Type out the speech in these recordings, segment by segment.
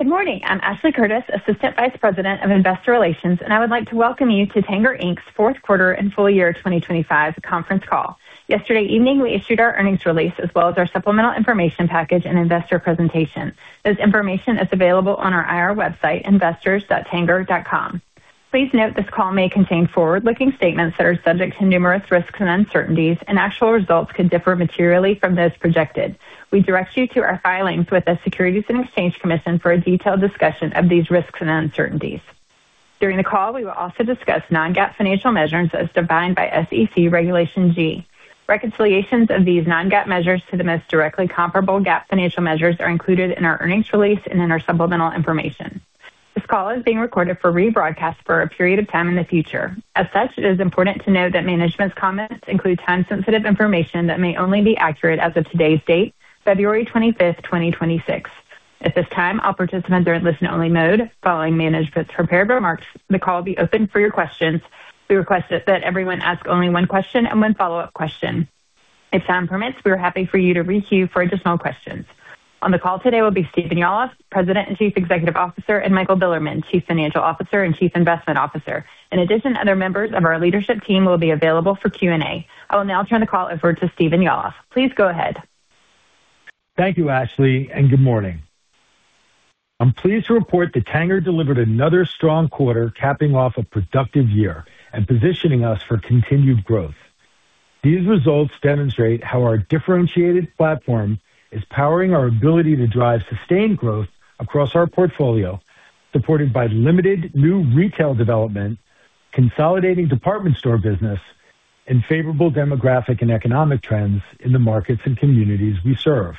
Good morning. I'm Ashley Curtis, Assistant Vice President of Investor Relations. I would like to welcome you to Tanger Inc.'s Fourth Quarter and Full Year 2025 conference call. Yesterday evening, we issued our earnings release as well as our supplemental information package and investor presentation. This information is available on our IR website, investors.tanger.com. Please note, this call may contain forward-looking statements that are subject to numerous risks and uncertainties. Actual results could differ materially from those projected. We direct you to our filings with the Securities and Exchange Commission for a detailed discussion of these risks and uncertainties. During the call, we will also discuss non-GAAP financial measurements as defined by SEC Regulation G. Reconciliations of these non-GAAP measures to the most directly comparable GAAP financial measures are included in our earnings release and in our supplemental information. This call is being recorded for rebroadcast for a period of time in the future. As such, it is important to note that management's comments include time-sensitive information that may only be accurate as of today's date, February 25th, 2026. At this time, all participants are in listen-only mode. Following management's prepared remarks, the call will be open for your questions. We request that everyone ask only one question and one follow-up question. If time permits, we are happy for you to re-queue for additional questions. On the call today will be Stephen Yalof, President and Chief Executive Officer, and Michael Bilerman, Chief Financial Officer and Chief Investment Officer. In addition, other members of our leadership team will be available for Q&A. I will now turn the call over to Stephen Yalof. Please go ahead. Thank you, Ashley. Good morning. I'm pleased to report that Tanger delivered another strong quarter, capping off a productive year and positioning us for continued growth. These results demonstrate how our differentiated platform is powering our ability to drive sustained growth across our portfolio, supported by limited new retail development, consolidating department store business, and favorable demographic and economic trends in the markets and communities we serve.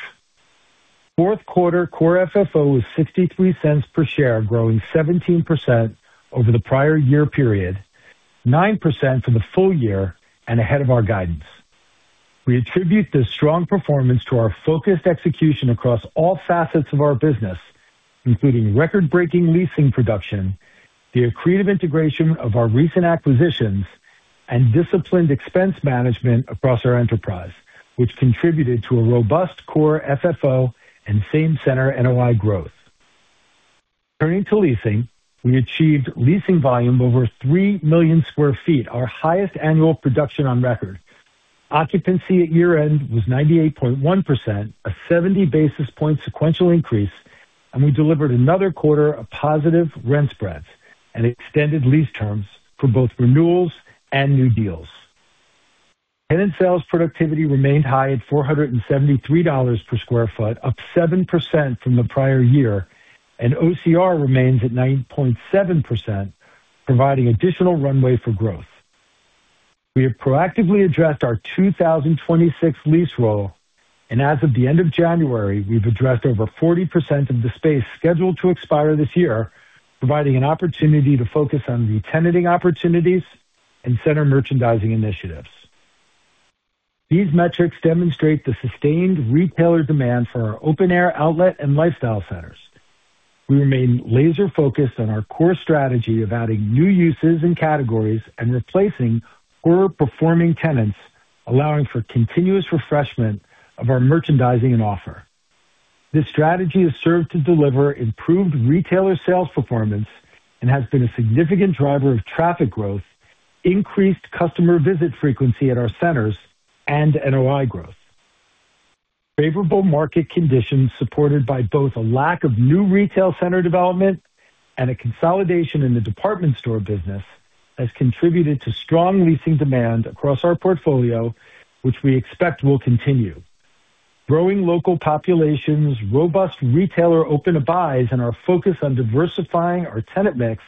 Fourth quarter Core FFO was $0.63 per share, growing 17% over the prior year period, 9% for the full year and ahead of our guidance. We attribute this strong performance to our focused execution across all facets of our business, including record-breaking leasing production, the accretive integration of our recent acquisitions, and disciplined expense management across our enterprise, which contributed to a robust Core FFO and Same-Center NOI growth. Turning to leasing, we achieved leasing volume over 3 million sq ft, our highest annual production on record. Occupancy at year-end was 98.1%, a 70 basis point sequential increase, we delivered another quarter of positive rent spreads and extended lease terms for both renewals and new deals. Tenant sales productivity remained high at $473 per sq ft, up 7% from the prior year, OCR remains at 9.7%, providing additional runway for growth. We have proactively addressed our 2026 lease roll, as of the end of January, we've addressed over 40% of the space scheduled to expire this year, providing an opportunity to focus on re-tenanting opportunities and center merchandising initiatives. These metrics demonstrate the sustained retailer demand for our open-air outlet and lifestyle centers. We remain laser-focused on our core strategy of adding new uses and categories and replacing poor-performing tenants, allowing for continuous refreshment of our merchandising and offer. This strategy has served to deliver improved retailer sales performance and has been a significant driver of traffic growth, increased customer visit frequency at our centers, and NOI growth. Favorable market conditions, supported by both a lack of new retail center development and a consolidation in the department store business, has contributed to strong leasing demand across our portfolio, which we expect will continue. Growing local populations, robust retailer open to buys, and our focus on diversifying our tenant mix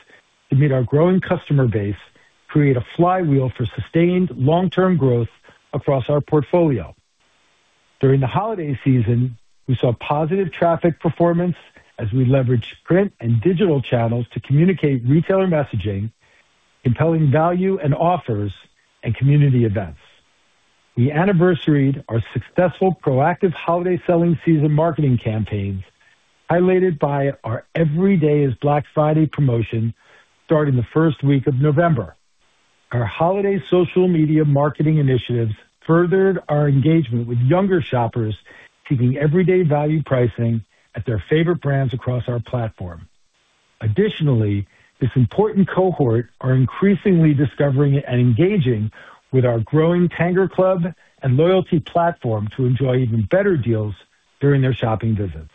to meet our growing customer base create a flywheel for sustained long-term growth across our portfolio. During the holiday season, we saw positive traffic performance as we leveraged print and digital channels to communicate retailer messaging, compelling value and offers, and community events. We anniversaried our successful proactive holiday selling season marketing campaigns, highlighted by our Every Day is Black Friday promotion, starting the first week of November. Our holiday social media marketing initiatives furthered our engagement with younger shoppers, keeping everyday value pricing at their favorite brands across our platform. Additionally, this important cohort are increasingly discovering and engaging with our growing TangerClub and loyalty platform to enjoy even better deals during their shopping visits.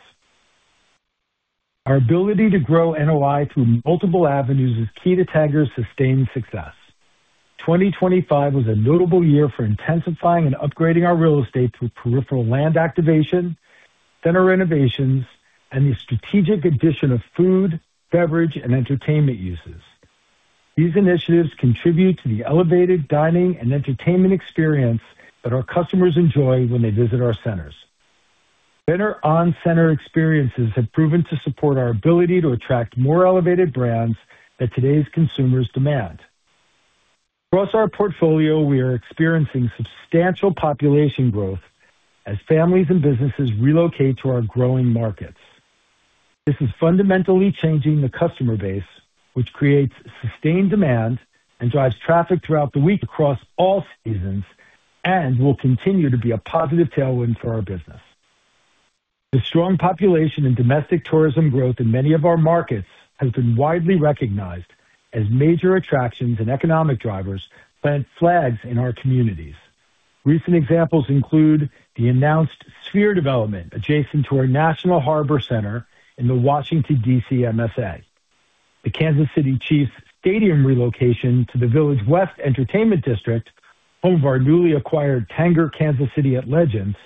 Our ability to grow NOI through multiple avenues is key to Tanger's sustained success. 2025 was a notable year for intensifying and upgrading our real estate through Peripheral Land Activation, center renovations, and the strategic addition of Food, Beverage, and Entertainment uses. These initiatives contribute to the elevated dining and entertainment experience that our customers enjoy when they visit our centers. Dinner on-center experiences have proven to support our ability to attract more elevated brands that today's consumers demand. Across our portfolio, we are experiencing substantial population growth as families and businesses relocate to our growing markets. This is fundamentally changing the customer base, which creates sustained demand and drives traffic throughout the week across all seasons. Will continue to be a positive tailwind for our business. The strong population and domestic tourism growth in many of our markets has been widely recognized as major attractions and economic drivers plant flags in our communities. Recent examples include the announced Sphere development adjacent to our National Harbor Center in the Washington, D.C., MSA, the Kansas City Chiefs stadium relocation to the Village West Entertainment District, home of our newly acquired Tanger Kansas City at Legends,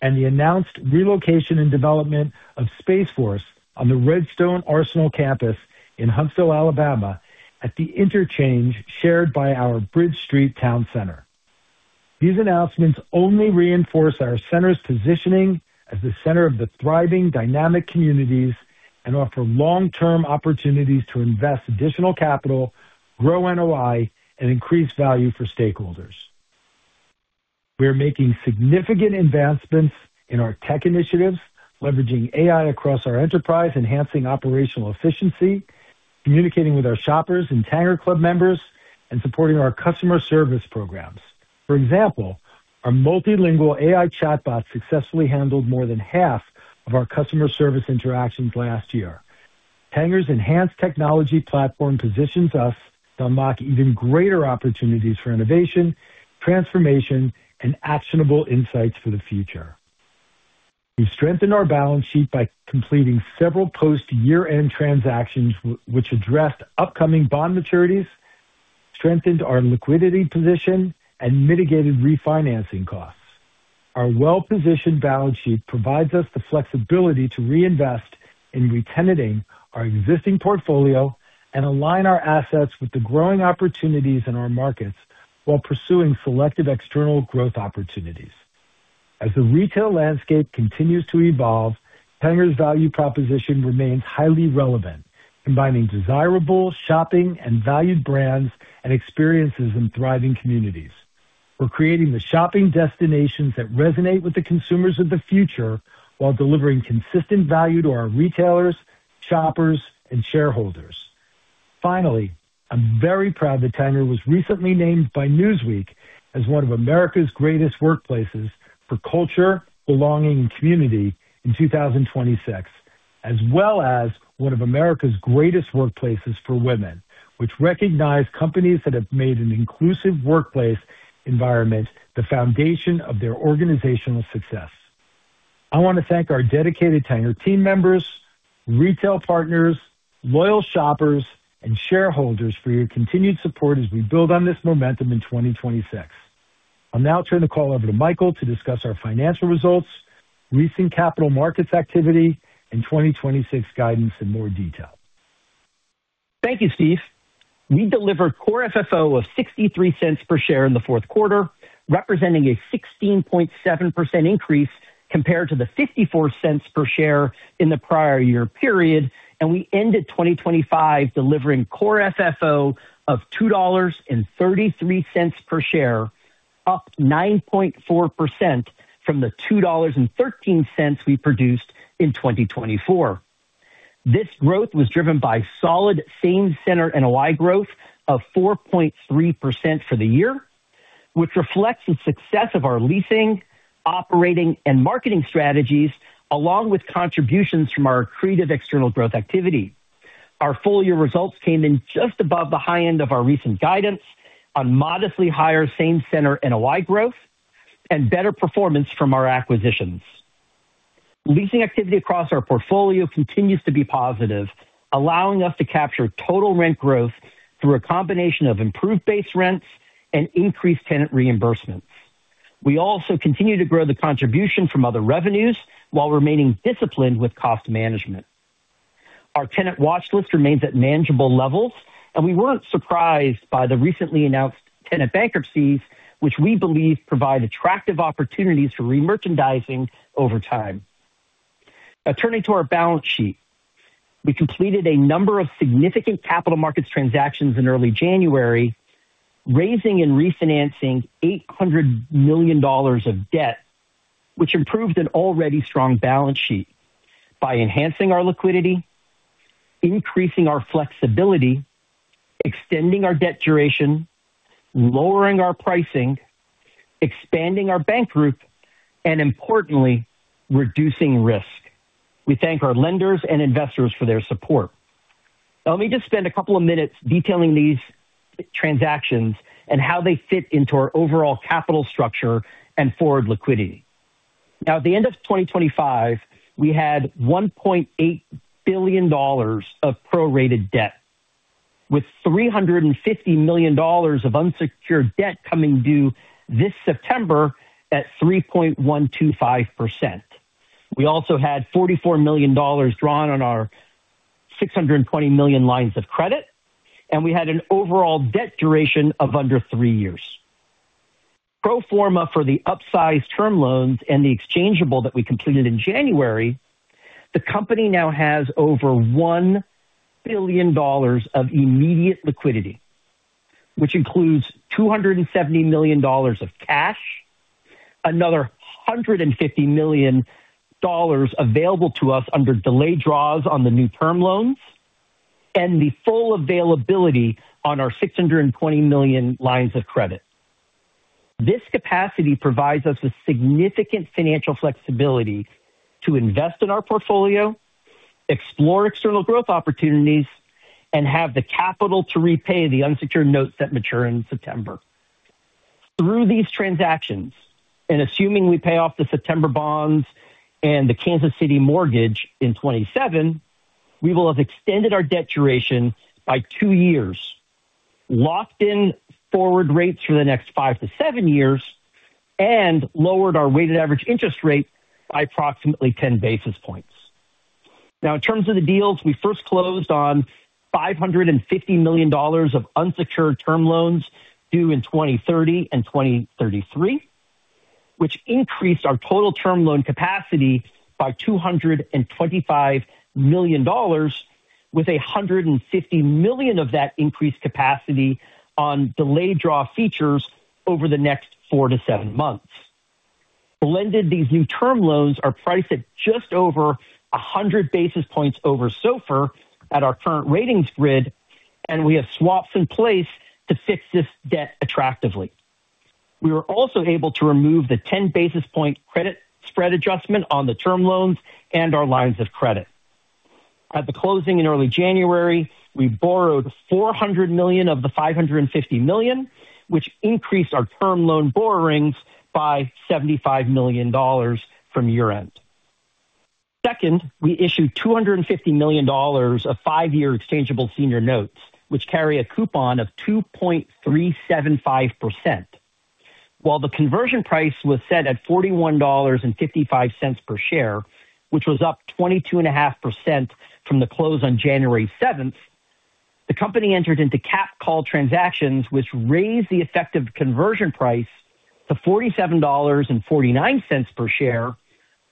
and the announced relocation and development of Space Force on the Redstone Arsenal campus in Huntsville, Alabama, at the interchange shared by our Bridge Street Town Center. These announcements only reinforce our center's positioning as the center of the thriving, dynamic communities and offer long-term opportunities to invest additional capital, grow NOI, and increase value for stakeholders. We are making significant advancements in our tech initiatives, leveraging AI across our enterprise, enhancing operational efficiency, communicating with our shoppers and TangerClub members, and supporting our customer service programs. For example, our multilingual AI chatbot successfully handled more than half of our customer service interactions last year. Tanger's enhanced technology platform positions us to unlock even greater opportunities for innovation, transformation, and actionable insights for the future. We've strengthened our balance sheet by completing several post-year-end transactions which addressed upcoming bond maturities, strengthened our liquidity position, and mitigated refinancing costs. Our well-positioned balance sheet provides us the flexibility to reinvest in retenanting our existing portfolio and align our assets with the growing opportunities in our markets, while pursuing selected external growth opportunities. As the retail landscape continues to evolve, Tanger's value proposition remains highly relevant, combining desirable shopping and valued brands and experiences in thriving communities. We're creating the shopping destinations that resonate with the consumers of the future while delivering consistent value to our retailers, shoppers, and shareholders. I'm very proud that Tanger was recently named by Newsweek as One of America's Greatest Workplaces for Culture, Belonging, and Community in 2026, as well as one of America's Greatest Workplaces for Women, which recognize companies that have made an inclusive workplace environment the foundation of their organizational success. I want to thank our dedicated Tanger team members, retail partners, loyal shoppers, and shareholders for your continued support as we build on this momentum in 2026. I'll now turn the call over to Michael to discuss our financial results, recent capital markets activity, and 2026 guidance in more detail. Thank you, Steve. We delivered Core FFO of $0.63 per share in the fourth quarter, representing a 16.7% increase compared to the $0.54 per share in the prior year period, and we ended 2025 delivering Core FFO of $2.33 per share, up 9.4% from the $2.13 we produced in 2024. This growth was driven by solid Same-Center NOI growth of 4.3% for the year, which reflects the success of our leasing, operating, and marketing strategies, along with contributions from our accretive external growth activity. Our full year results came in just above the high end of our recent guidance on modestly higher Same-Center NOI growth and better performance from our acquisitions. Leasing activity across our portfolio continues to be positive, allowing us to capture total rent growth through a combination of improved base rents and increased tenant reimbursements. We also continue to grow the contribution from other revenues while remaining disciplined with cost management. Our tenant watch list remains at manageable levels, and we weren't surprised by the recently announced tenant bankruptcies, which we believe provide attractive opportunities for remerchandising over time. Turning to our balance sheet. We completed a number of significant capital markets transactions in early January, raising and refinancing $800 million of debt, which improved an already strong balance sheet by enhancing our liquidity, increasing our flexibility, extending our debt duration, lowering our pricing, expanding our bank group, and importantly, reducing risk. We thank our lenders and investors for their support. Let me just spend a couple of minutes detailing these transactions and how they fit into our overall capital structure and forward liquidity. At the end of 2025, we had $1.8 billion of prorated debt, with $350 million of unsecured debt coming due this September at 3.125%. We also had $44 million drawn on our $620 million lines of credit, and we had an overall debt duration of under three years. Pro forma for the upsized term loans and the exchangeable that we completed in January, the company now has over $1 billion of immediate liquidity, which includes $270 million of cash. another $150 million available to us under delayed draws on the new term loans and the full availability on our $620 million lines of credit. This capacity provides us a significant financial flexibility to invest in our portfolio, explore external growth opportunities, and have the capital to repay the unsecured notes that mature in September. Through these transactions, and assuming we pay off the September bonds and the Kansas City mortgage in 2027, we will have extended our debt duration by two years, locked in forward rates for the next five to seven years, and lowered our weighted average interest rate by approximately 10 basis points. In terms of the deals, we first closed on $550 million of unsecured term loans due in 2030 and 2033, which increased our total term loan capacity by $225 million, with $150 million of that increased capacity on delayed draw features over the next four to seven months. Blended, these new term loans are priced at just over 100 basis points over SOFR at our current ratings grid, and we have swaps in place to fix this debt attractively. We were also able to remove the 10 basis point credit spread adjustment on the term loans and our lines of credit. At the closing in early January, we borrowed $400 million of the $550 million, which increased our term loan borrowings by $75 million from year-end. We issued $250 million of five-year exchangeable senior notes, which carry a coupon of 2.375%. While the conversion price was set at $41.55 per share, which was up 22.5% from the close on January 7th, the company entered into capped call transactions, which raised the effective conversion price to $47.49 per share,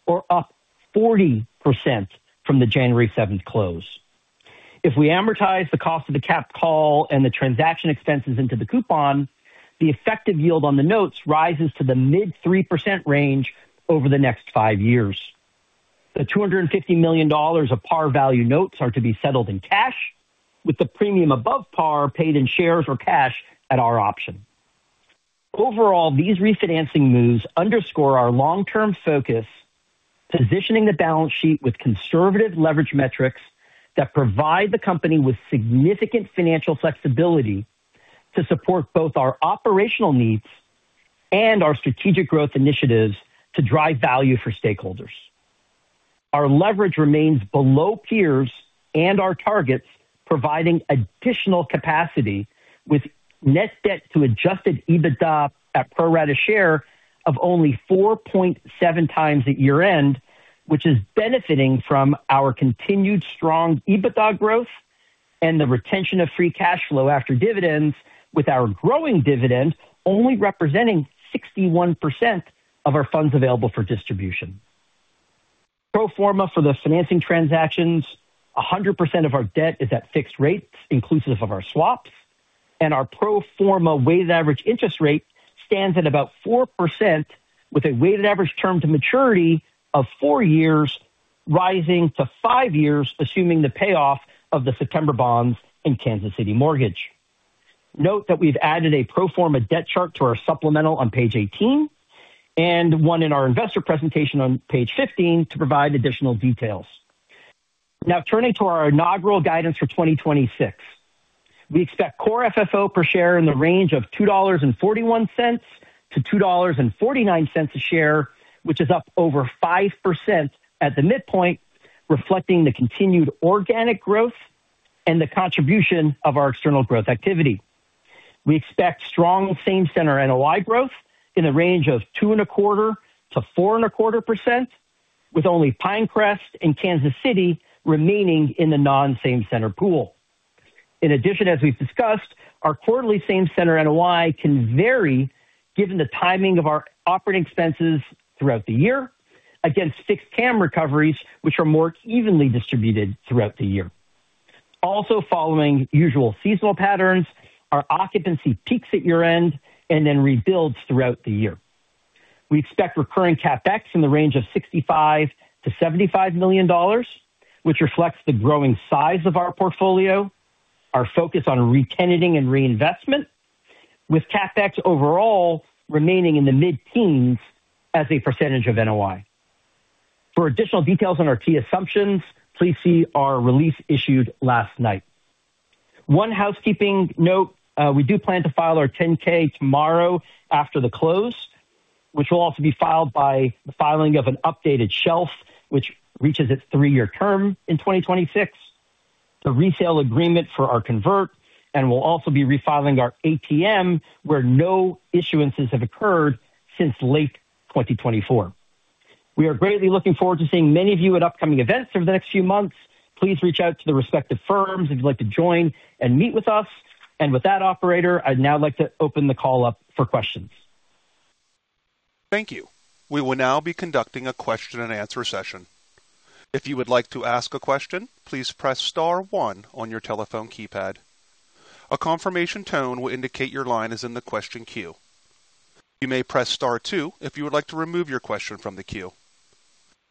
or up 40% from the January 7th close. If we amortize the cost of the capped call and the transaction expenses into the coupon, the effective yield on the notes rises to the mid three percent range over the next five years. The $250 million of par value notes are to be settled in cash, with the premium above par paid in shares or cash at our option. Overall, these refinancing moves underscore our long-term focus, positioning the balance sheet with conservative leverage metrics that provide the company with significant financial flexibility to support both our operational needs and our strategic growth initiatives to drive value for stakeholders. Our leverage remains below peers and our targets, providing additional capacity with net debt to Adjusted EBITDA at pro rata share of only 4.7x at year-end, which is benefiting from our continued strong EBITDA growth and the retention of free cash flow after dividends, with our growing dividend only representing 61% of our Funds Available for Distribution. Pro forma for the financing transactions, 100% of our debt is at fixed rates, inclusive of our swaps, and our pro forma weighted average interest rate stands at about 4%, with a weighted average term to maturity of four years, rising to five years, assuming the payoff of the September bonds in Kansas City Mortgage. Note that we've added a pro forma debt chart to our supplemental on page 18 and one in our Investor Presentation on page 15 to provide additional details. Now turning to our Inaugural Guidance for 2026. We expect Core FFO per share in the range of $2.41-$2.49 a share, which is up over 5% at the midpoint, reflecting the continued organic growth and the contribution of our external growth activity. We expect strong Same-Center NOI growth in the range of 2.25%-4.25%, with only Pinecrest and Kansas City remaining in the non-Same-Center pool. In addition, as we've discussed, our quarterly Same-Center NOI can vary given the timing of our operating expenses throughout the year against fixed CAM recoveries, which are more evenly distributed throughout the year. Also, following usual seasonal patterns, our occupancy peaks at year-end and then rebuilds throughout the year. We expect recurring CapEx in the range of $65 million-$75 million, which reflects the growing size of our portfolio, our focus on retenanting and reinvestment, with CapEx overall remaining in the mid-teens as a percentage of NOI. For additional details on our key assumptions, please see our release issued last night. One housekeeping note. We do plan to file our 10-K tomorrow after the close, which will also be filed by the filing of an Updated Shelf, which reaches its three-year term in 2026, the Resale Agreement for our Convert, we'll also be refiling our ATM, where no issuances have occurred since late 2024. We are greatly looking forward to seeing many of you at upcoming events over the next few months. Please reach out to the respective firms if you'd like to join and meet with us. With that, operator, I'd now like to open the call up for questions. Thank you. We will now be conducting a question-and-answer session. If you would like to ask a question, please press star one on your telephone keypad. A confirmation tone will indicate your line is in the question queue. You may press star two if you would like to remove your question from the queue.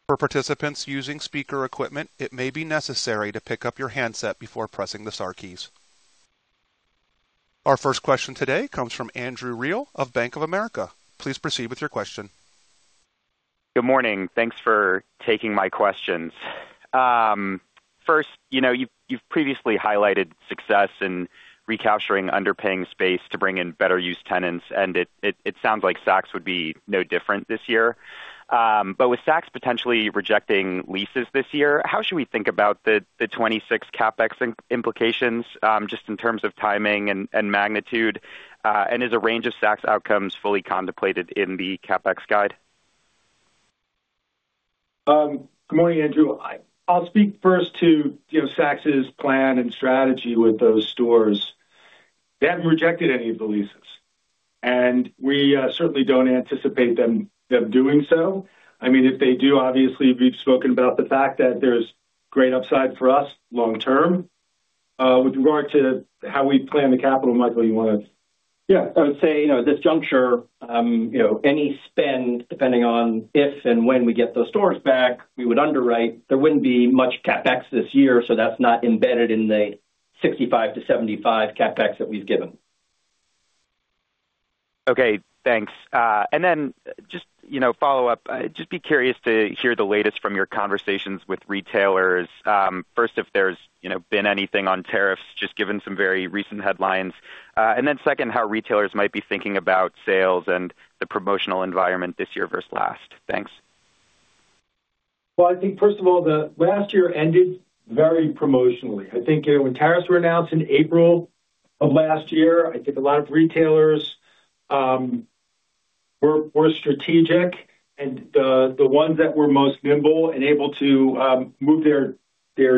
For participants using speaker equipment, it may be necessary to pick up your handset before pressing the star keys. Our first question today comes from Samir Khanal of Bank of America. Please proceed with your question. Good morning. Thanks for taking my questions. First, you've previously highlighted success in recapturing underpaying space to bring in better use tenants, and it sounds like Saks would be no different this year. With Saks potentially rejecting leases this year, how should we think about the 2026 CapEx implications, just in terms of timing and magnitude, and is a range of Saks outcomes fully contemplated in the CapEx guide? Good morning, Samir. I'll speak first to, you know, Saks' plan and strategy with those stores. They haven't rejected any of the leases, and we certainly don't anticipate them doing so. I mean, if they do, obviously, we've spoken about the fact that there's great upside for us long term. With regard to how we plan the capital, Michael, you want to? I would say, you know, at this juncture, you know, any spend, depending on if and when we get those stores back, we would underwrite. There wouldn't be much CapEx this year, so that's not embedded in the $65-$75 CapEx that we've given. Okay, thanks. Just, you know, follow up, just be curious to hear the latest from your conversations with retailers. First, if there's, you know, been anything on tariffs, just given some very recent headlines. Second, how retailers might be thinking about sales and the promotional environment this year versus last? Thanks. I think first of all, the last year ended very promotionally. I think, you know, when tariffs were announced in April of last year, I think a lot of retailers were strategic, and the ones that were most nimble and able to move their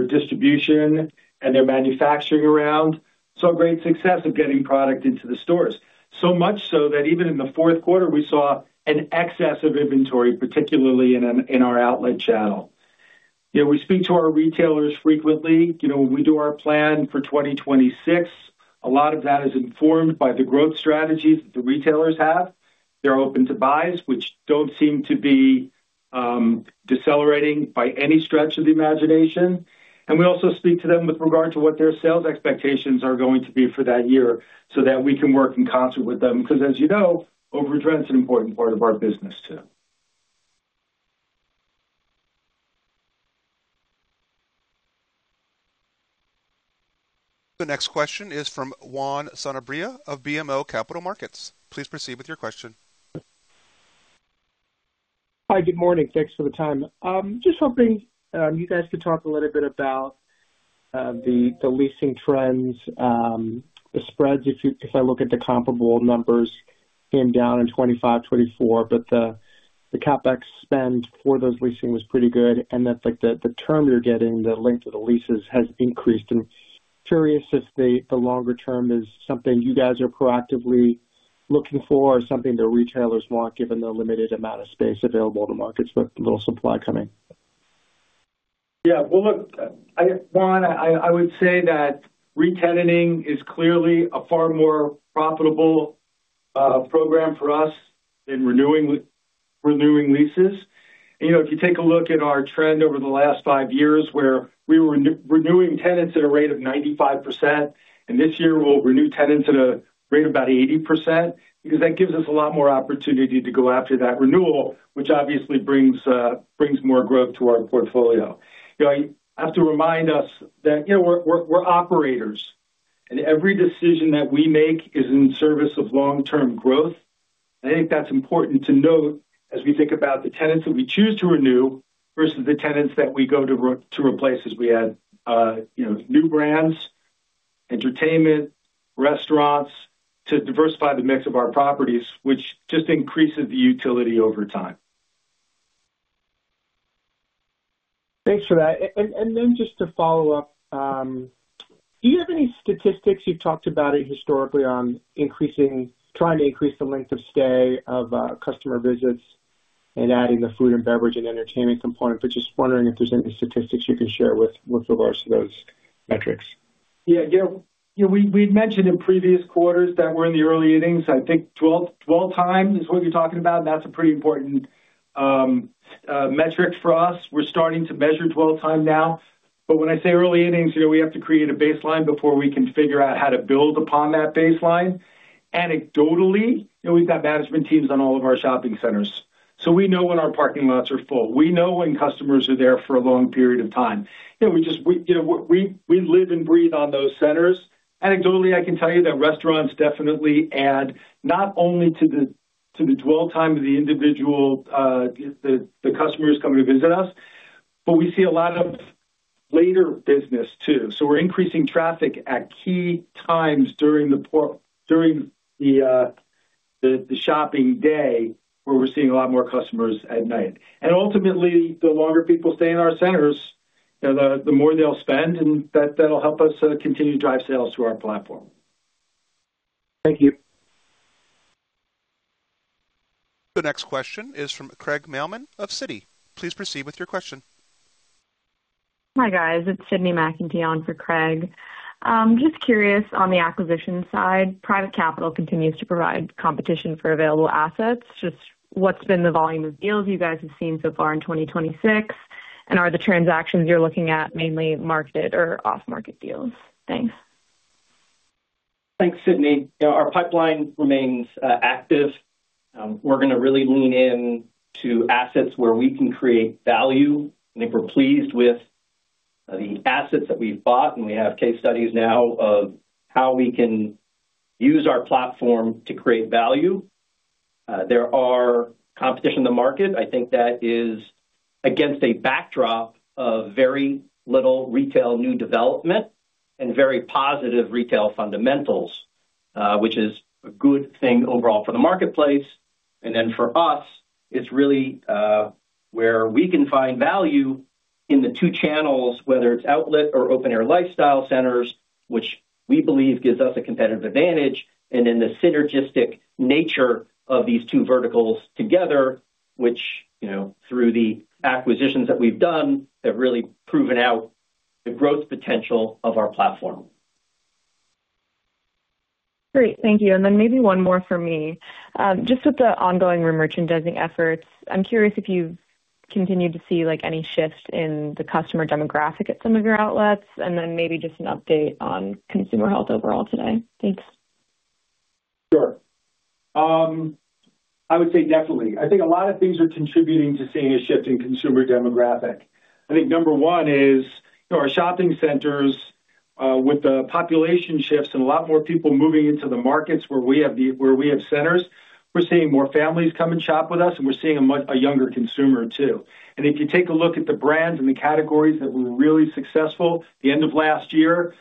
distribution and their manufacturing around, saw great success of getting product into the stores. So much so that even in the fourth quarter, we saw an excess of inventory, particularly in our outlet channel. You know, we speak to our retailers frequently. You know, when we do our plan for 2026, a lot of that is informed by the growth strategies that the retailers have. They're open to buys, which don't seem to be decelerating by any stretch of the imagination. We also speak to them with regard to what their sales expectations are going to be for that year, so that we can work in concert with them, because, as you know, overtrend is an important part of our business, too. The next question is from Juan Sanabria of BMO Capital Markets. Please proceed with your question. Hi, good morning. Thanks for the time. just hoping you guys could talk a little bit about the Leasing trends. The spreads, if I look at the comparable numbers, came down in 2025, 2024, but the CapEx spend for those leasing was pretty good, and that, like, the term you're getting, the length of the leases has increased. I'm curious if the longer term is something you guys are proactively looking for or something the retailers want, given the limited amount of space available to markets with little supply coming? Yeah, well, look, Juan, I would say that retenanting is clearly a far more profitable program for us than renewing leases. You know, if you take a look at our trend over the last five years, where we were renewing tenants at a rate of 95%, and this year, we'll renew tenants at a rate of about 80%, because that gives us a lot more opportunity to go after that renewal, which obviously brings more growth to our portfolio. You know, I have to remind us that, you know, we're operators, and every decision that we make is in service of long-term growth. I think that's important to note as we think about the tenants that we choose to renew versus the tenants that we go to replace as we add, you know, new brands, entertainment, restaurants, to diversify the mix of our properties, which just increases the utility over time. Thanks for that. Then just to follow up, do you have any statistics, you've talked about it historically, on trying to increase the length of stay of customer visits and adding the food and beverage and entertainment component? Just wondering if there's any statistics you can share with regards to those metrics. Yeah, you know, we'd mentioned in previous quarters that we're in the early innings. I think 12 times is what you're talking about. That's a pretty important metric for us. We're starting to measure dwell time now. When I say early innings, you know, we have to create a baseline before we can figure out how to build upon that baseline. Anecdotally, you know, we've got management teams on all of our shopping centers, so we know when our parking lots are full. We know when customers are there for a long period of time. You know, we, you know, we live and breathe on those centers. Anecdotally, I can tell you that restaurants definitely add not only to the dwell time of the individual, the customers coming to visit us, but we see a lot of later business, too. We're increasing traffic at key times during the shopping day, where we're seeing a lot more customers at night. Ultimately, the longer people stay in our centers, you know, the more they'll spend, and that'll help us continue to drive sales through our platform. Thank you. The next question is from Craig Mailman of Citi. Please proceed with your question. Hi, guys, it's Sydney McInty in for Craig. Just curious, on the acquisition side, private capital continues to provide competition for available assets. Just what's been the volume of deals you guys have seen so far in 2026? Are the transactions you're looking at mainly marketed or off-market deals? Thanks. Thanks, Sidney. You know, our pipeline remains active. We're going to really lean in to assets where we can create value. I think we're pleased with the assets that we've bought, and we have case studies now of how we can use our platform to create value. There are competition in the market. I think that is against a backdrop of very little retail new development and very positive retail fundamentals, which is a good thing overall for the marketplace. For us, it's really where we can find value in the two channels, whether it's outlet or open-air lifestyle centers, which we believe gives us a competitive advantage, and in the synergistic nature of these two verticals together, which, you know, through the acquisitions that we've done, have really proven out the growth potential of our platform. Great. Thank you. Then maybe one more for me. Just with the ongoing remerchandising efforts, I'm curious if you've continued to see, like, any shifts in the customer demographic at some of your outlets, and then maybe just an update on consumer health overall today. Thanks. Sure. I would say definitely. I think a lot of things are contributing to seeing a shift in consumer demographic. I think number one is, you know, our shopping centers, with the population shifts and a lot more people moving into the markets where we have centers, we're seeing more families come and shop with us, and we're seeing a much, a younger consumer, too. If you take a look at the brands and the categories that were really successful at the end of last year,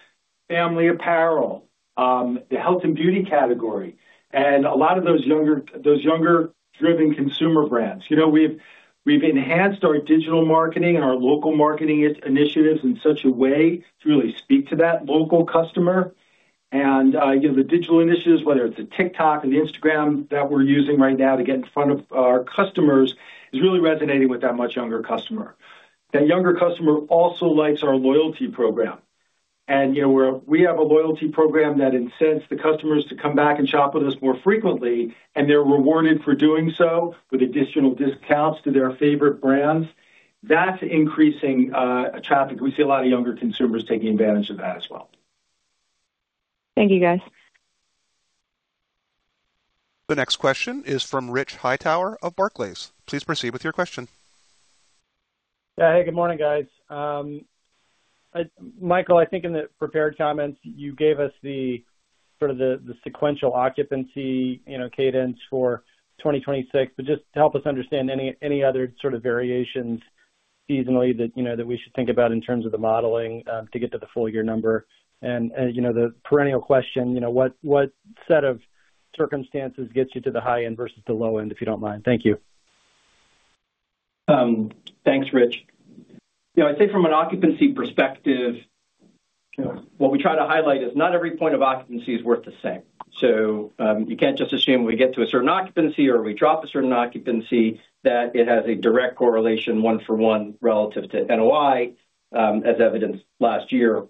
Family Apparel, the Health and Beauty category, and a lot of those younger-driven consumer brands. You know, we've enhanced our digital marketing and our local marketing initiatives in such a way to really speak to that local customer. You know, the digital initiatives, whether it's a TikTok and the Instagram that we're using right now to get in front of our customers, is really resonating with that much younger customer. That younger customer also likes our Loyalty Program. You know, we have a Loyalty Program that incents the customers to come back and shop with us more frequently, and they're rewarded for doing so with additional discounts to their favorite brands. That's increasing traffic. We see a lot of younger consumers taking advantage of that as well. Thank you, guys. The next question is from Rich Hightower of Barclays. Please proceed with your question. Yeah. Hey, good morning, guys. Michael, I think in the prepared comments, you gave us the, sort of the sequential occupancy, you know, cadence for 2026. Just to help us understand any other sort of variations seasonally that, you know, that we should think about in terms of the modeling, to get to the full year number. You know, the perennial question, you know, what set of circumstances gets you to the high end versus the low end, if you don't mind? Thank you. Thanks, Rich. You know, I'd say from an occupancy perspective, you know, what we try to highlight is not every point of occupancy is worth the same. You can't just assume we get to a certain occupancy or we drop a certain occupancy, that it has a direct correlation, one for one, relative to NOI, as evidenced last year,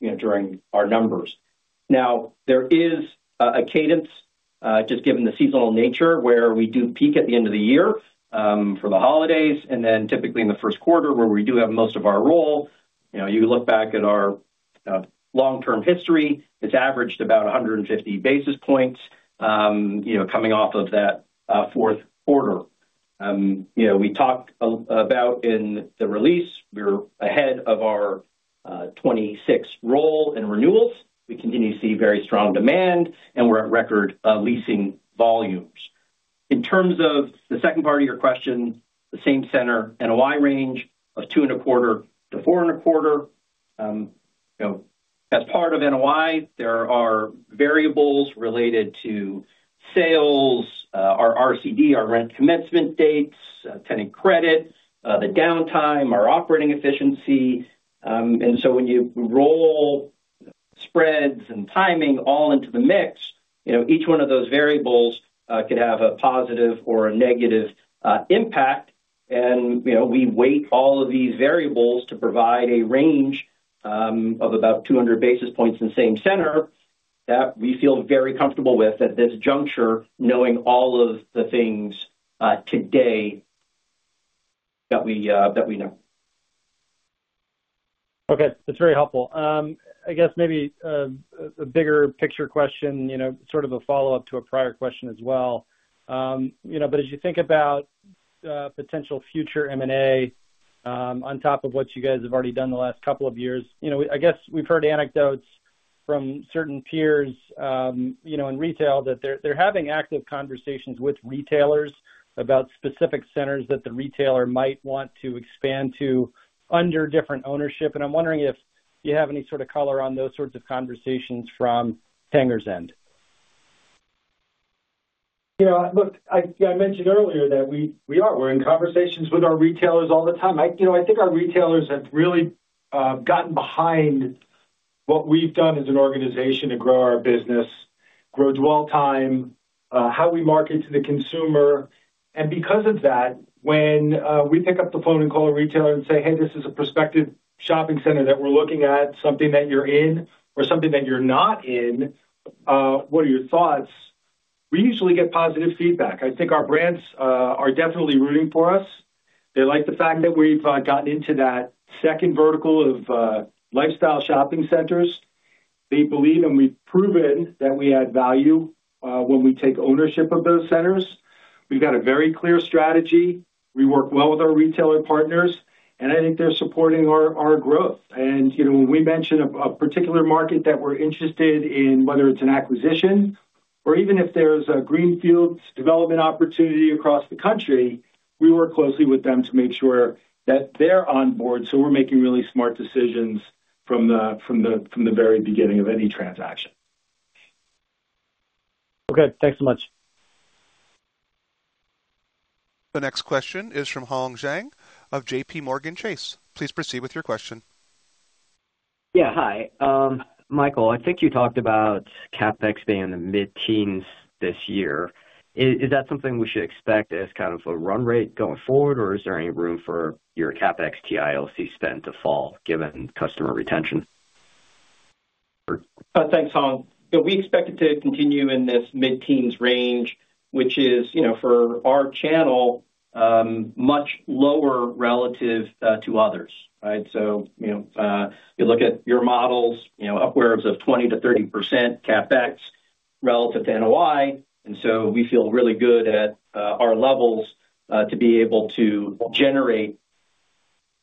during our numbers. There is a cadence, just given the seasonal nature, where we do peak at the end of the year for the holidays, typically in the first quarter, where we do have most of our role. You know, you look back at our long-term history, it's averaged about 150 basis points, you know, coming off of that fourth quarter. You know, we talked about in the release, we're ahead of our 2026 role in renewals. We continue to see very strong demand, and we're at record leasing volumes. In terms of the second part of your question, the Same-Center NOI range of two and a quarter to four and a quarter. you know, as part of NOI, there are variables related to sales, our RCD, our rent commencement dates, tenant credit, the downtime, our operating efficiency. So when you roll spreads and timing all into the mix, you know, each one of those variables could have a positive or a negative impact. You know, we weight all of these variables to provide a range, of about 200 basis points in the same center that we feel very comfortable with at this juncture, knowing all of the things today that we that we know. Okay, that's very helpful. I guess maybe a bigger picture question, you know, sort of a follow-up to a prior question as well. You know, as you think about potential future M&A, on top of what you guys have already done the last couple of years, you know, I guess we've heard anecdotes from certain peers, you know, in retail, that they're having active conversations with retailers about specific centers that the retailer might want to expand to under different ownership. I'm wondering if you have any sort of color on those sorts of conversations from Tanger's end. Yeah, look, I mentioned earlier that we are. We're in conversations with our retailers all the time. you know, I think our retailers have really gotten behind- what we've done as an organization to grow our business, grow dwell time, how we market to the consumer. Because of that, when we pick up the phone and call a retailer and say, "Hey, this is a prospective shopping center that we're looking at, something that you're in or something that you're not in, what are your thoughts?" We usually get positive feedback. I think our brands are definitely rooting for us. They like the fact that we've gotten into that second vertical of lifestyle shopping centers. They believe, and we've proven, that we add value, when we take ownership of those centers. We've got a very clear strategy. We work well with our retailer partners. I think they're supporting our growth. You know, when we mention a particular market that we're interested in, whether it's an acquisition or even if there's a Greenfields Development opportunity across the country, we work closely with them to make sure that they're on board, so we're making really smart decisions from the very beginning of any transaction. Okay, thanks so much. The next question is from Hong Zhang of JPMorgan. Please proceed with your question. Yeah. Hi, Michael, I think you talked about CapEx being in the mid-teens this year. Is that something we should expect as kind of a run rate going forward, or is there any room for your CapEx TILC spend to fall, given customer retention? Thanks, Hong. We expect it to continue in this mid-teens range, which is, you know, for our channel, much lower relative to others, right? You know, you look at your models, you know, upwards of 20%-30% CapEx relative to NOI. We feel really good at our levels to be able to generate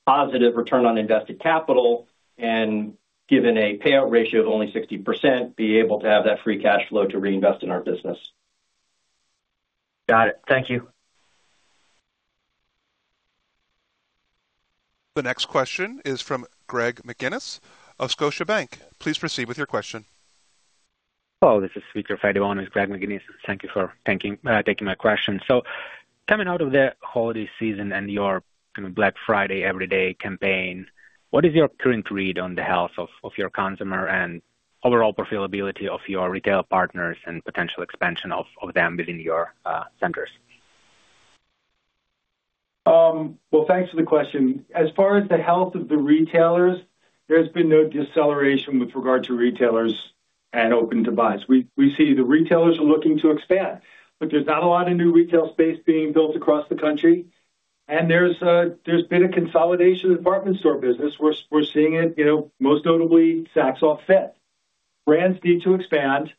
positive return on invested capital, and given a payout ratio of only 60%, be able to have that free cash flow to reinvest in our business. Got it. Thank you. The next question is from Greg McGinniss of Scotiabank. Please proceed with your question. Hello, this is Nick Joseph for Greg McGinniss. Thank you for thanking, taking my question. Coming out of the holiday season and your kind of Black Friday Every Day campaign, what is your current read on the health of your consumer and overall profitability of your retail partners and potential expansion of them within your centers? Thanks for the question. As far as the health of the retailers, there's been no deceleration with regard to retailers at open to buy. We see the retailers are looking to expand, there's not a lot of new retail space being built across the country, there's been a consolidation of Department Store Business. We're seeing it, you know, most notably, Saks OFF 5TH. Brands need to expand.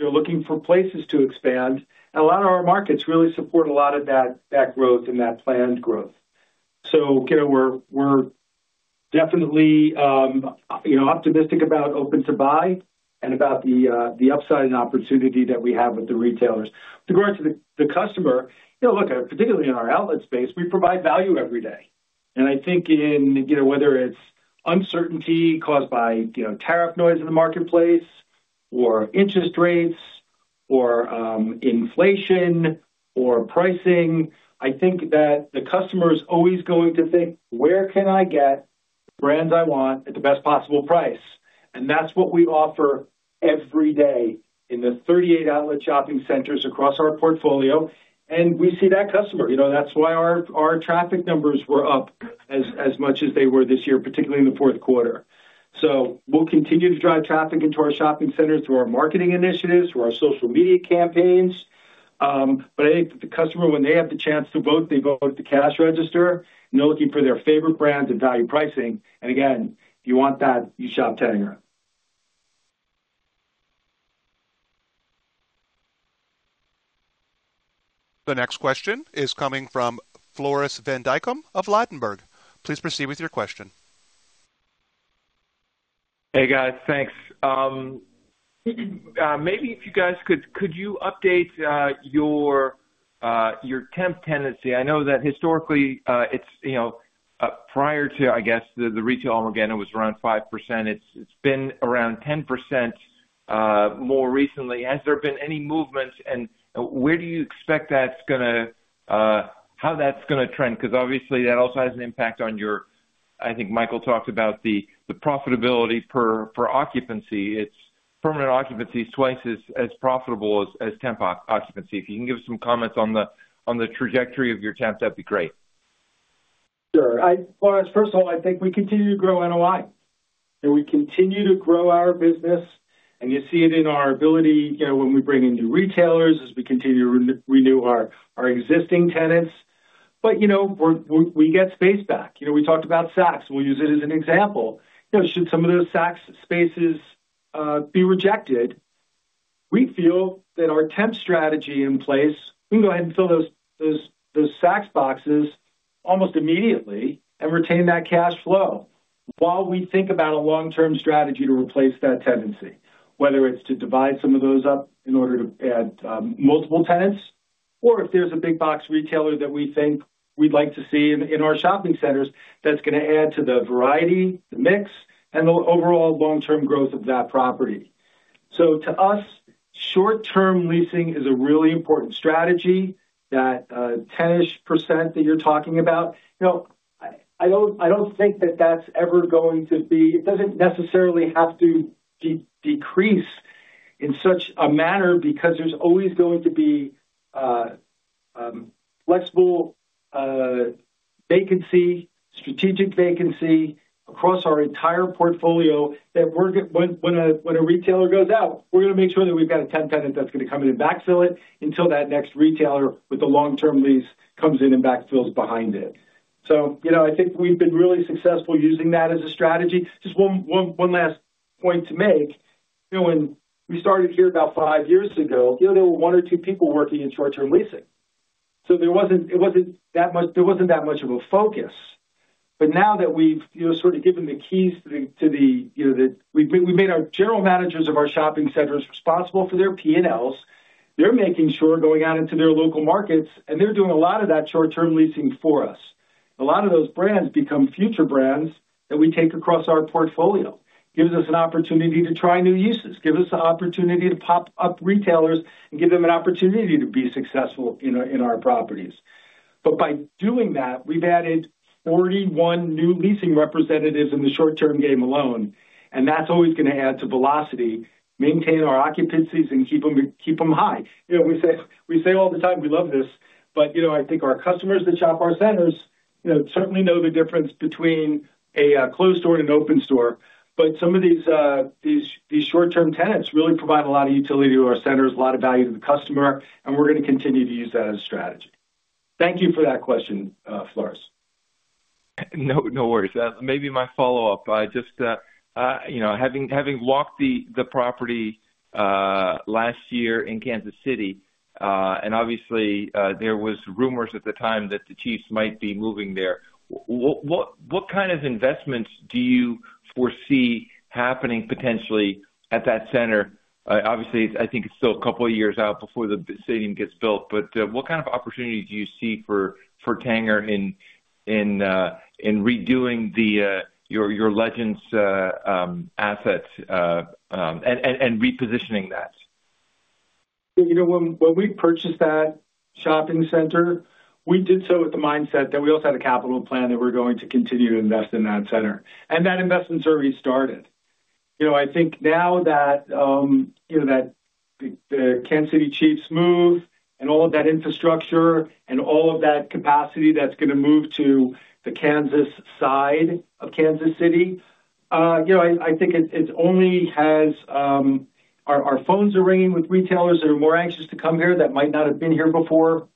They're looking for places to expand, a lot of our markets really support a lot of that growth and that planned growth. You know, we're definitely, you know, optimistic about open to buy and about the upside and opportunity that we have with the retailers. Regarding to the customer, you know, look, particularly in our outlet space, we provide value every day. I think in, you know, whether it's uncertainty caused by, you know, tariff noise in the marketplace, or interest rates, or inflation, or pricing, I think that the customer is always going to think, "Where can I get the brands I want at the best possible price?" That's what we offer every day in the 38 outlet shopping centers across our portfolio. We see that customer. You know, that's why our traffic numbers were up as much as they were this year, particularly in the fourth quarter. We'll continue to drive traffic into our shopping centers, through our marketing initiatives, through our social media campaigns. I think that the customer, when they have the chance to vote, they vote with the cash register, and they're looking for their favorite brands and value pricing. Again, if you want that, you shop Tanger. The next question is coming from Floris van Dijkum of Ladenburg. Please proceed with your question. Hey, guys. Thanks. Maybe if you guys could you update your temp tenancy? I know that historically, it's, you know, prior to, I guess, the retail arm again, it was around 5%. It's been around 10% more recently. Has there been any movements, and where do you expect that's gonna how that's gonna trend? Obviously, that also has an impact on your... I think Michael talked about the profitability per occupancy. It's permanent occupancy is twice as profitable as temp occupancy. If you can give us some comments on the trajectory of your temps, that'd be great. Sure. Floris, first of all, I think we continue to grow NOI, and we continue to grow our business, and you see it in our ability, you know, when we bring in new retailers, as we continue to re-renew our existing tenants. You know, we get space back. You know, we talked about Saks. We'll use it as an example. You know, should some of those Saks spaces be rejected, we feel that our temp strategy in place, we can go ahead and fill those Saks boxes almost immediately and retain that cash flow while we think about a long-term strategy to replace that tenancy, whether it's to divide some of those up in order to add multiple tenants, or if there's a big box retailer that we think we'd like to see in our shopping centers, that's gonna add to the variety, the mix, and the overall long-term growth of that property. To us, short-term leasing is a really important strategy, that 10-ish% that you're talking about. You know, I don't, I don't think that that's ever going to be. It doesn't necessarily have to de-decrease in such a manner, because there's always going to be flexible vacancy, strategic vacancy across our entire portfolio, that when a, when a retailer goes out, we're gonna make sure that we've got a tenant that's gonna come in and backfill it until that next retailer with the long-term lease comes in and backfills behind it. You know, I think we've been really successful using that as a strategy. Just one last point to make. You know, when we started here about five years ago, you know, there were one or two people working in short-term leasing, so there wasn't that much of a focus. Now that we've, you know, sort of given the keys to the, you know, the... We've made our general managers of our shopping centers responsible for their P&Ls. They're making sure, going out into their local markets, and they're doing a lot of that short-term leasing for us. A lot of those brands become future brands that we take across our portfolio. Gives us an opportunity to try new uses, gives us an opportunity to pop up retailers and give them an opportunity to be successful in our properties. By doing that, we've added 41 new leasing representatives in the short-term game alone, and that's always gonna add to velocity, maintain our occupancies, and keep them high. You know, we say all the time, we love this, but, you know, I think our customers that shop our centers, you know, certainly know the difference between a closed store and an open store. Some of these short-term tenants really provide a lot of utility to our centers, a lot of value to the customer, and we're gonna continue to use that as a strategy. Thank you for that question, Floris. No, no worries. Maybe my follow-up. I just, you know, having walked the property last year in Kansas City, and obviously, there was rumors at the time that the Kansas City Chiefs might be moving there. What kind of investments do you foresee happening potentially at that center? Obviously, I think it's still a couple of years out before the Stadium gets built, but what kind of opportunity do you see for Tanger in redoing your Legends assets and repositioning that? You know, when we purchased that shopping center, we did so with the mindset that we also had a capital plan, that we're going to continue to invest in that center, and that investment's already started. You know, I think now that, you know, that the Kansas City Chiefs move and all of that infrastructure and all of that capacity that's gonna move to the Kansas side of Kansas City, you know, I think it only has. Our phones are ringing with retailers that are more anxious to come here that might not have been here before.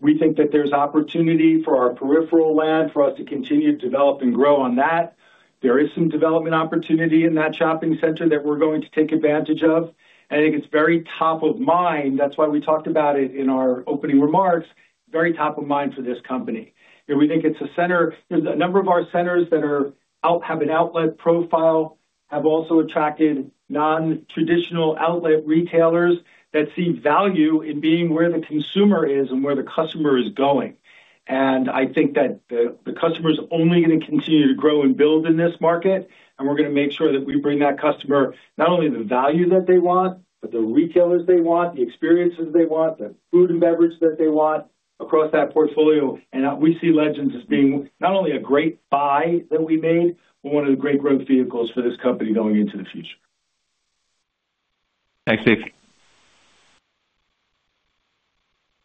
We think that there's opportunity for our peripheral land for us to continue to develop and grow on that. There is some development opportunity in that shopping center that we're going to take advantage of. I think it's very top of mind. That's why we talked about it in our opening remarks, very top of mind for this company. You know, we think there's a number of our centers that have an outlet profile, have also attracted non-traditional outlet retailers that see value in being where the consumer is and where the customer is going. I think that the customer is only gonna continue to grow and build in this market, and we're gonna make sure that we bring that customer not only the value that they want, but the retailers they want, the experiences they want, the food and beverage that they want across that portfolio. We see Legends as being not only a great buy that we made, but one of the great growth vehicles for this company going into the future. Thanks, Stephen.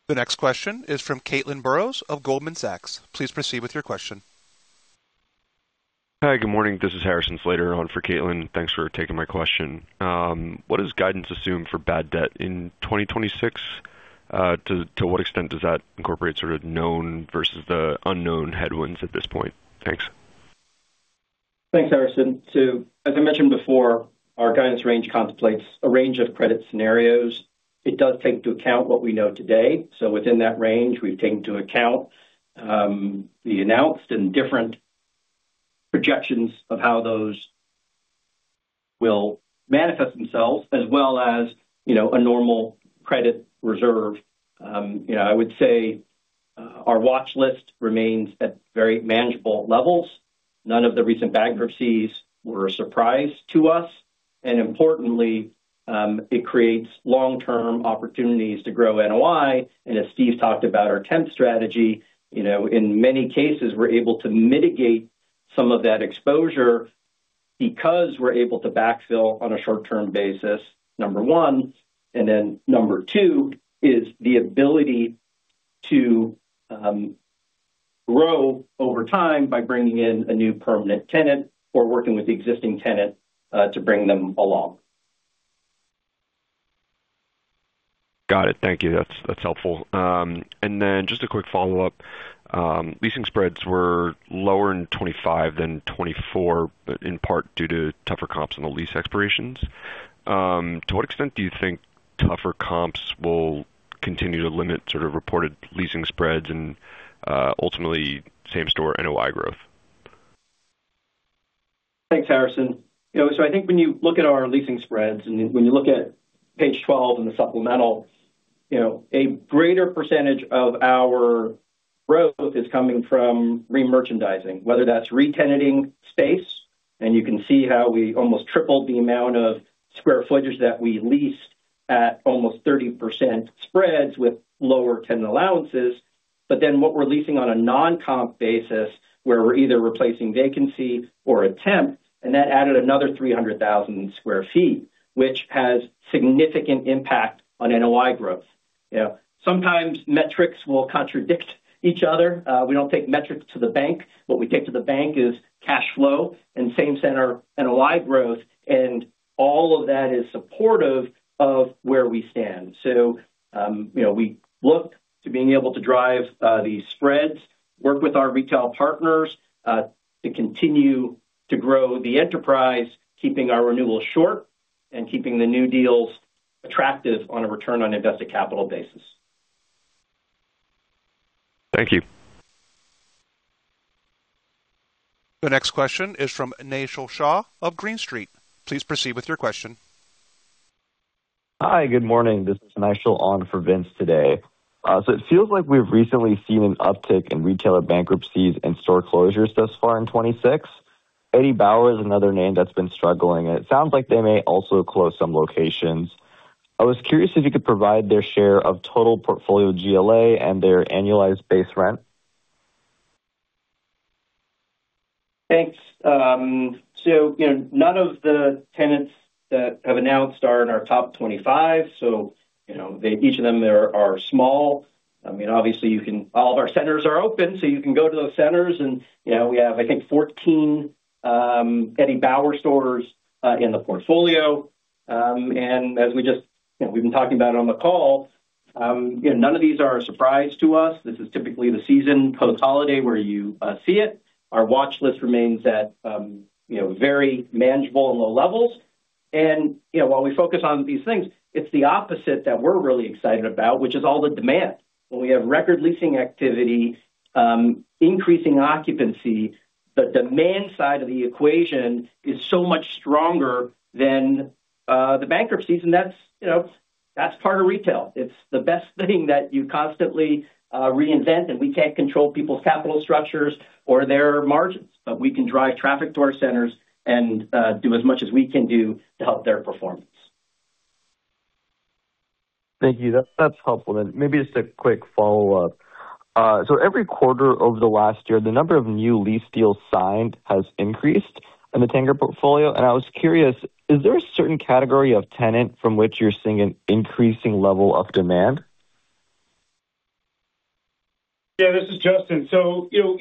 The next question is from Caitlin Burrows of Goldman Sachs. Please proceed with your question. Hi, good morning. This is Harrison Slater on for Caitlin. Thanks for taking my question. What does guidance assume for bad debt in 2026? To what extent does that incorporate sort of known versus the unknown headwinds at this point? Thanks. Thanks, Harrison. As I mentioned before, our guidance range contemplates a range of credit scenarios. It does take into account what we know today. Within that range, we've taken into account the announced and different projections of how those will manifest themselves, as well as, you know, a normal credit reserve. You know, I would say our watch list remains at very manageable levels. None of the recent bankruptcies were a surprise to us, and importantly, it creates long-term opportunities to grow NOI. As Steve talked about our temp strategy, you know, in many cases, we're able to mitigate some of that exposure because we're able to backfill on a short-term basis, number 1, and then number two is the ability to grow over time by bringing in a new permanent tenant or working with the existing tenant to bring them along. Got it. Thank you. That's helpful. Just a quick follow-up. Leasing spreads were lower in 2025 than 2024, but in part due to tougher comps on the lease expirations. To what extent do you think tougher comps will continue to limit sort of reported leasing spreads and ultimately Same-Center NOI growth? Thanks, Harrison. You know, I think when you look at our leasing spreads, and when you look at page 12 in the supplemental, you know, a greater percentage of our growth is coming from re-merchandising, whether that's re-tenanting space, and you can see how we almost tripled the amount of square footage that we leased at almost 30% spreads with lower tenant allowances. What we're leasing on a non-comp basis, where we're either replacing vacancy or a temp, and that added another 300,000 sq ft, which has significant impact on NOI growth. You know, sometimes metrics will contradict each other. We don't take metrics to the bank. What we take to the bank is cash flow and Same-Center NOI growth, and all of that is supportive of where we stand. You know, we look to being able to drive these spreads, work with our retail partners, to continue to grow the enterprise, keeping our renewals short and keeping the new deals attractive on a return on invested capital basis. Thank you. The next question is from Naishal Shah of Green Street. Please proceed with your question. Hi, good morning. This is Naishal on for Vince today. It feels like we've recently seen an uptick in retailer bankruptcies and store closures thus far in 2026. Eddie Bauer is another name that's been struggling, and it sounds like they may also close some locations. I was curious if you could provide their share of total portfolio GLA and their annualized base rent. Thanks. You know, none of the tenants that have announced are in our top 25, so, you know, each of them there are small. I mean, obviously, all of our centers are open, so you can go to those centers and, you know, we have, I think, 14 Eddie Bauer stores in the portfolio. As we just, you know, we've been talking about on the call, you know, none of these are a surprise to us. This is typically the season, post-holiday, where you see it. Our watch list remains at, you know, very manageable and low levels. You know, while we focus on these things, it's the opposite that we're really excited about, which is all the demand. When we have record leasing activity, increasing occupancy, the demand side of the equation is so much stronger than the bankruptcies. That's, you know, that's part of retail. It's the best thing that you constantly reinvent. We can't control people's capital structures or their margins, but we can drive traffic to our centers and do as much as we can do to help their performance. Thank you. That's, that's helpful. Maybe just a quick follow-up. Every quarter over the last year, the number of new lease deals signed has increased in the Tanger portfolio, and I was curious, is there a certain category of tenant from which you're seeing an increasing level of demand? Yeah, this is Justin. you know,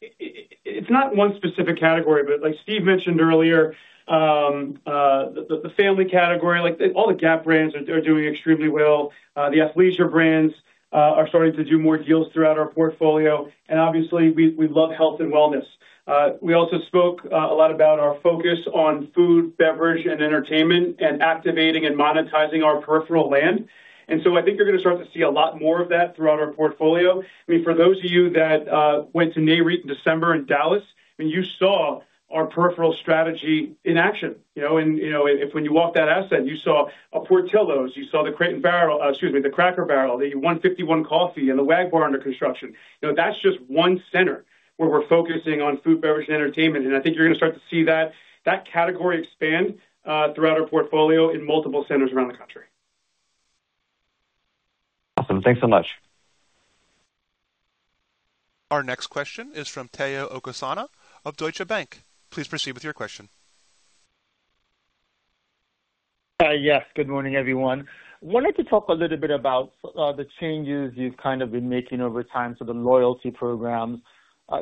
it's not one specific category, but like Steve mentioned earlier, the family category, like, all the Gap brands are doing extremely well. The Athleisure brands are starting to do more deals throughout our portfolio, and obviously, we love Health and Wellness. We also spoke a lot about our focus on Food, Beverage, and Entertainment and activating and monetizing our peripheral land. I think you're gonna start to see a lot more of that throughout our portfolio. I mean, for those of you that went to Nareit in December in Dallas, and you saw our peripheral strategy in action, you know, and, you know, if when you walked that asset, you saw a Portillo's, you saw the Crate & Barrel, excuse me, the Cracker Barrel, the 151 Coffee, and the Wagbar under construction. You know, that's just one center where we're focusing on Food, Beverage, and Entertainment, and I think you're gonna start to see that category expand throughout our portfolio in multiple centers around the country. Awesome. Thanks so much. Our next question is from Omotayo Okusanya of Deutsche Bank. Please proceed with your question. Yes, good morning, everyone. Wanted to talk a little bit about the changes you've kind of been making over time, so the Loyalty Programs.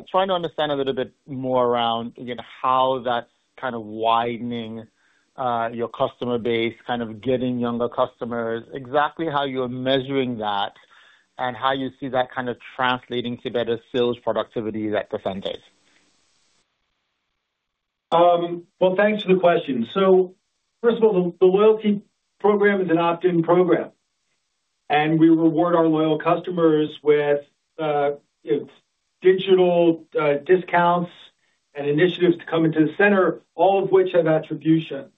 Trying to understand a little bit more around, again, how that's kind of widening your customer base, kind of getting younger customers, exactly how you're measuring that, and how you see that kind of translating to better sales productivity at percentage? Well, thanks for the question. First of all, the Loyalty Program is an opt-in program, and we reward our loyal customers with, you know, digital discounts and initiatives to come into the center, all of which have attribution.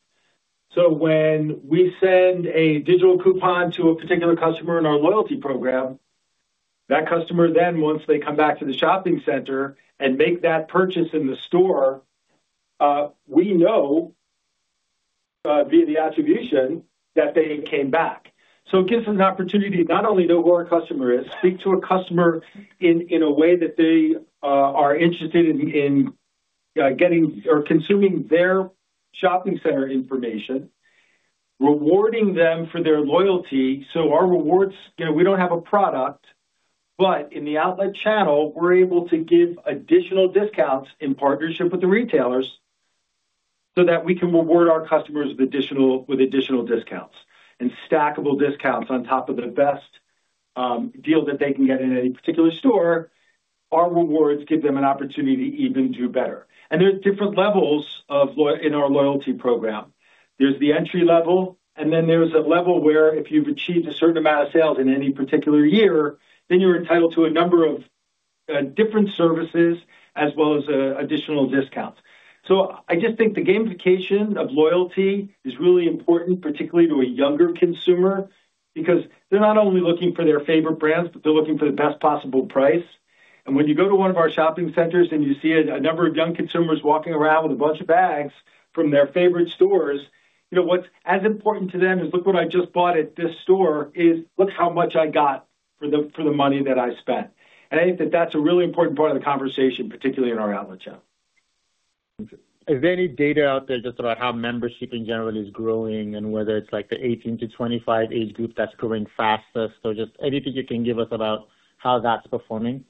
When we send a digital coupon to a particular customer in our Loyalty Program, that customer then, once they come back to the shopping center and make that purchase in the store, we know via the attribution that they came back. It gives us an opportunity to not only know who our customer is, speak to a customer in a way that they are interested in getting or consuming their shopping center information, rewarding them for their loyalty. Our rewards, you know, we don't have a product, but in the Outlet channel, we're able to give additional discounts in partnership with the retailers, so that we can reward our customers with additional discounts. Stackable discounts on top of the best deal that they can get in any particular store, our rewards give them an opportunity to even do better. There are different levels in our Loyalty Program. There's the entry level, and then there's a level where if you've achieved a certain amount of sales in any particular year, then you're entitled to a number of different services as well as additional discounts. I just think the gamification of loyalty is really important, particularly to a younger consumer, because they're not only looking for their favorite brands, but they're looking for the best possible price. When you go to one of our shopping centers and you see a number of young consumers walking around with a bunch of bags from their favorite stores, you know, what's as important to them as, "Look what I just bought at this store," is, "Look how much I got for the, for the money that I spent." I think that that's a really important part of the conversation, particularly in our outlet channel. Is there any data out there just about how membership in general is growing, and whether it's like the 18 to 25 age group that's growing fastest? Just anything you can give us about how that's performing.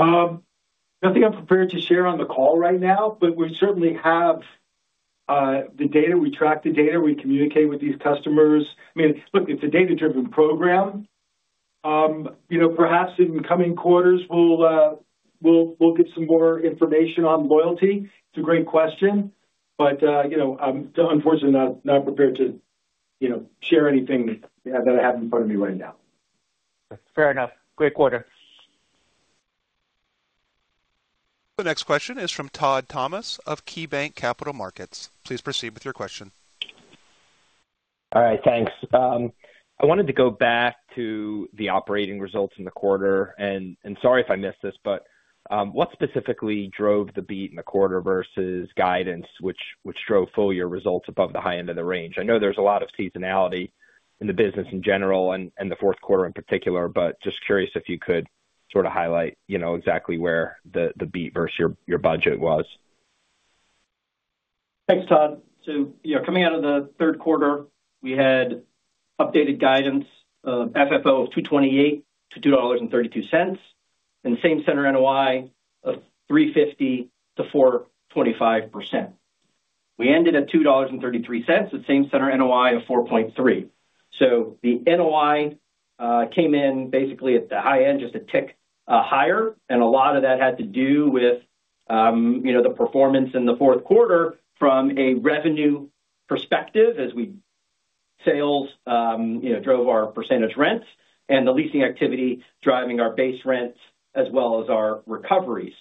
Nothing I'm prepared to share on the call right now, but we certainly have the data. We track the data, we communicate with these customers. I mean, look, it's a data-driven program. You know, perhaps in the coming quarters, we'll get some more information on loyalty. It's a great question, but, you know, I'm unfortunately not prepared to, you know, share anything that I have in front of me right now. Fair enough. Great quarter. The next question is from Todd Thomas of KeyBanc Capital Markets. Please proceed with your question. All right, thanks. I wanted to go back to the operating results in the quarter, sorry if I missed this, what specifically drove the beat in the quarter versus guidance, which drove full year results above the high end of the range? I know there's a lot of seasonality in the business in general the fourth quarter in particular, just curious if you could sort of highlight, you know, exactly where the beat versus your budget was? Thanks, Todd. You know, coming out of the third quarter, we had updated guidance of FFO of $2.28-$2.32, and Same-Center NOI of 3.5%-4.5%. We ended at $2.33, with Same-Center NOI of 4.3%. The NOI came in basically at the high end, just a tick higher, and a lot of that had to do with, you know, the performance in the fourth quarter from a revenue perspective as sales, you know, drove our percentage rents and the leasing activity, driving our base rents as well as our recoveries.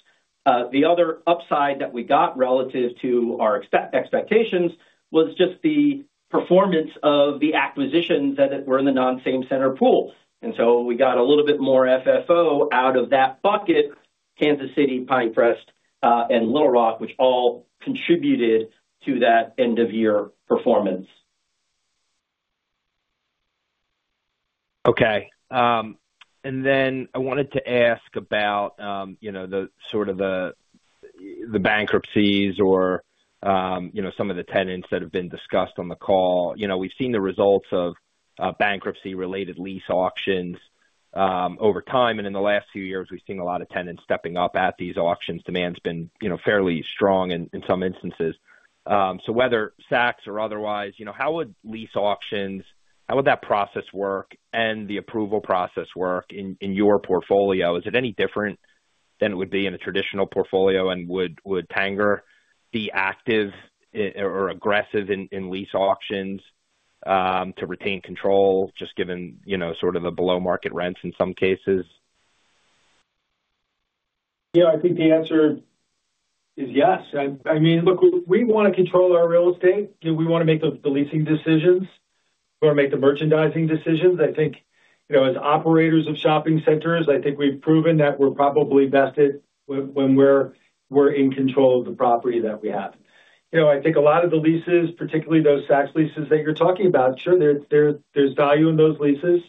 The other upside that we got relative to our expectations was just the performance of the acquisitions that were in the non-Same Center pools. We got a little bit more FFO out of that bucket, Kansas City, Pinecrest, and Little Rock, which all contributed to that end-of-year performance. Okay. I wanted to ask about, you know, the sort of the bankruptcies or, you know, some of the tenants that have been discussed on the call. You know, we've seen the results of bankruptcy-related lease auctions over time, in the last few years, we've seen a lot of tenants stepping up at these auctions. Demand's been, you know, fairly strong in some instances. Whether Saks or otherwise, you know, how would that process work and the approval process work in your portfolio? Is it any different than it would be in a traditional portfolio, would Tanger be active or aggressive in lease auctions to retain control, just given, you know, sort of a below-market rents in some cases? I think the answer is yes. I mean, look, we want to control our real estate. We want to make the leasing decisions. We want to make the merchandising decisions. I think, you know, as operators of shopping centers, I think we've proven that we're probably vested when we're in control of the property that we have. You know, I think a lot of the leases, particularly those Saks leases that you're talking about, sure, there's value in those leases,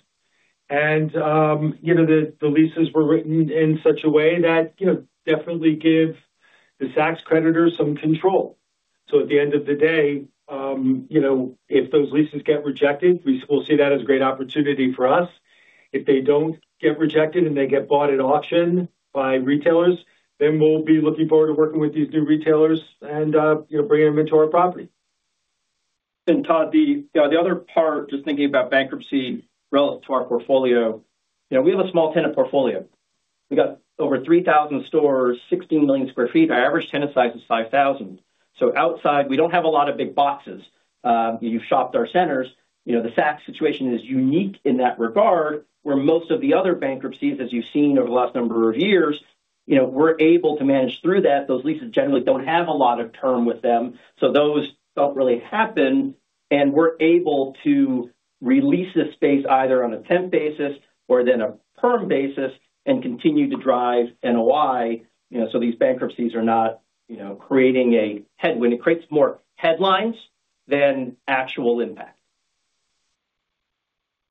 you know, the leases were written in such a way that, you know, definitely give the Saks creditors some control. At the end of the day, you know, if those leases get rejected, we still see that as a great opportunity for us. If they don't get rejected, and they get bought at auction by retailers, then we'll be looking forward to working with these new retailers and, you know, bringing inventory to our property. Todd, the, you know, the other part, just thinking about bankruptcy relative to our portfolio. You know, we have a small tenant portfolio. We got over 3,000 stores, 16 million sq ft. Our average tenant size is 5,000. Outside, we don't have a lot of big boxes. You've shopped our centers, you know, the Saks situation is unique in that regard, where most of the other bankruptcies, as you've seen over the last number of years, you know, we're able to manage through that. Those leases generally don't have a lot of term with them, those don't really happen, and we're able to re-lease the space either on a temp basis or then a perm basis and continue to drive NOI. You know, these bankruptcies are not, you know, creating a headwind. It creates more headlines than actual impact.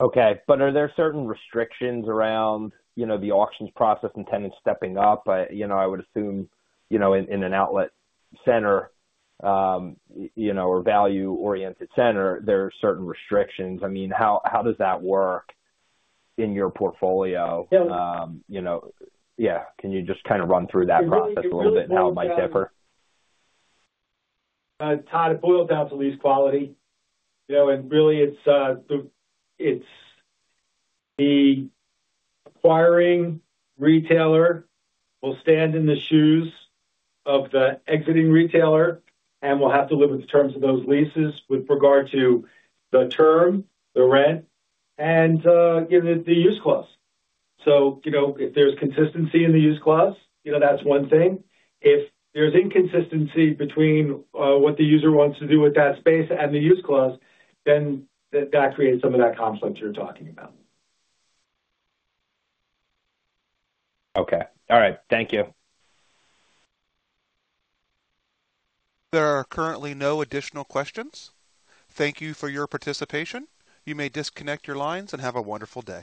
Are there certain restrictions around, you know, the auctions process and tenants stepping up? You know, I would assume, you know, in an outlet center, you know, or value-oriented center, there are certain restrictions. I mean, how does that work in your portfolio? Yeah. you know, can you just kind of run through that process a little bit and how it might differ? Todd, it boils down to lease quality, you know, and really, it's the acquiring retailer will stand in the shoes of the exiting retailer and will have to live with the terms of those leases with regard to the term, the rent, and, you know, the use clause. You know, if there's consistency in the use clause, you know, that's one thing. If there's inconsistency between what the user wants to do with that space and the use clause, then that creates some of that conflict you're talking about. Okay. All right. Thank you. There are currently no additional questions. Thank you for your participation. You may disconnect your lines, and have a wonderful day.